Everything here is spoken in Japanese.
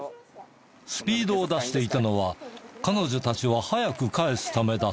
スピードを出していたのは彼女たちを早く帰すためだったという。